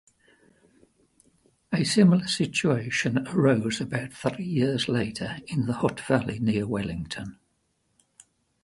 A similar situation arose about three years later in the Hutt Valley near Wellington.